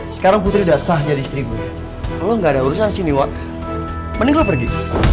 sekarang putri dasar jadi istri gue kalau nggak ada urusan sini what menikah pergi